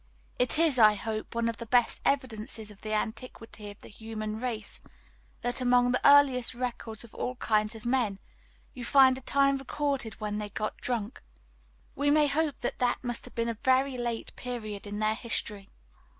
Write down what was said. It is, I hope one of the best evidences of the antiquity of the human race, that among the earliest records of all kinds of men, you find a time recorded when they got drunk. We may hope that that must have been a very late period in their history.